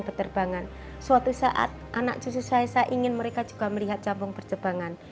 capung berjebangan suatu saat anak cicit saya saya ingin mereka juga melihat capung berjebangan